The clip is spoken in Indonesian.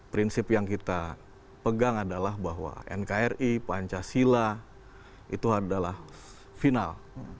prinsip yang kita pegang adalah bahwa nkri pancasila itu adalah final